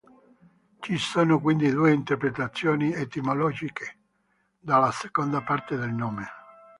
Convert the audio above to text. Ci sono quindi due interpretazioni etimologiche della seconda parte del nome.